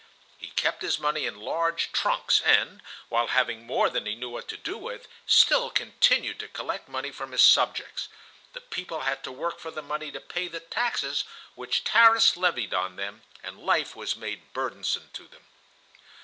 He kept his money in large trunks, and, while having more than he knew what to do with, still continued to collect money from his subjects. The people had to work for the money to pay the taxes which Tarras levied on them, and life was made burdensome to them.